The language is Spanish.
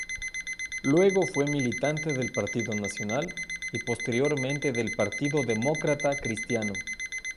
Luego fue militante del Partido Nacional y posteriormente del Partido Demócrata Cristiano.